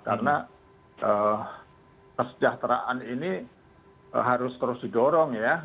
karena kesejahteraan ini harus terus didorong ya